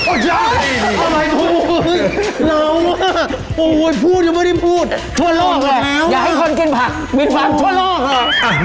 อุ๊ยยยพูดอยู่ไม่ได้พูดชวโร่กทั่วแล้ว